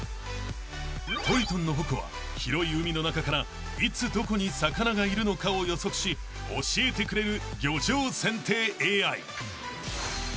［トリトンの矛は広い海の中からいつどこに魚がいるのかを予測し教えてくれる漁場選定ＡＩ］